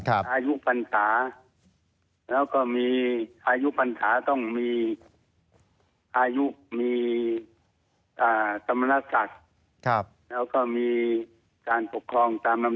อายุพรรษาอายุพรรษาต้องมีสัมพญาติศักดิ์และก็มีการผกครองตามเหล่า